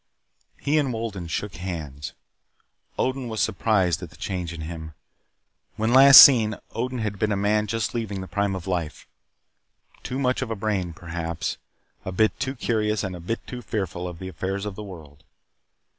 He and Wolden shook hands. Odin was surprised at the change in him. When last seen, Wolden had been a man just leaving the prime of life. Too much of a brain, perhaps. A bit too curious and a bit too fearful of the affairs of the world.